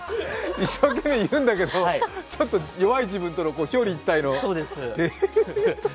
一生懸命言うんだけどちょっと弱い自分との表裏一体という。